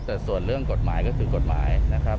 แต่ส่วนเรื่องกฎหมายก็คือกฎหมายนะครับ